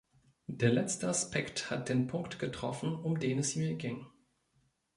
Der letzte Aspekt hat den Punkt getroffen, um den es mir ging.